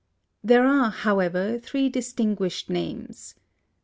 There are, however, three distinguished names.